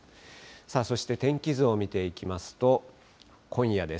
そして天気図を見ていきますと、今夜です。